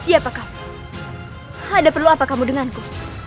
siapakah ada perlu apa kamu denganku